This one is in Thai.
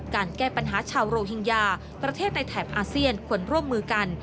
การแก้ปัญหาชาวโรฮิงญาประเทศในแถบอาเซียนควรร่วมมือกัน